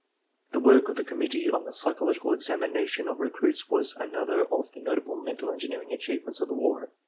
"The work of the Committee on the Psychological Examina tion of Recruits was another of the notable mental engineering achievements of the war.